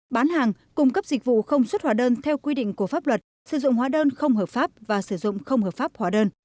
bán hàng cung cấp dịch vụ không xuất hóa đơn theo quy định của pháp luật sử dụng hóa đơn không hợp pháp và sử dụng không hợp pháp hóa đơn